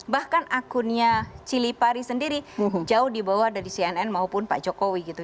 bahkan akunnya cili pari sendiri jauh dibawah dari cnn maupun pak jokowi gitu